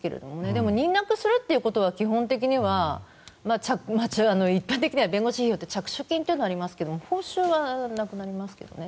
でも、認諾するということは基本的には一般的には着手金というのがありますが報酬はなくなりますけどね。